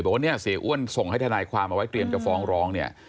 บอกว่าเนี่ยเสียอ้วนส่งให้ทนายความเอาไว้เตรียมจะฟ้องร้องเนี่ย